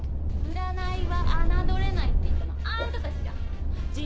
占いは侮れないって言ったのあんたたちじゃん！